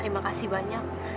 terima kasih banyak